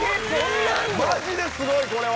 マジですごいこれは。